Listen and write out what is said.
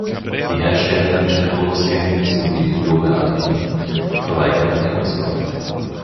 Die Hersteller Jack Wolfskin sowie Lowe Alpine verweigerten die Auskunft.